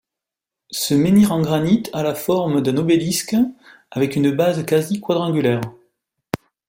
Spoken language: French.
Ce menhir en granit a la forme d'un obélisque avec une base quasi quadrangulaire.